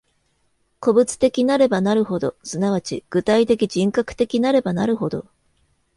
個物的なればなるほど、即ち具体的人格的なればなるほど、